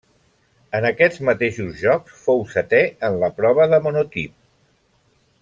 En aquests mateixos Jocs fou setè en la prova de monotip.